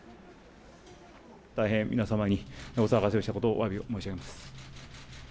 大変皆様にお騒がせしたことをおわび申し上げます。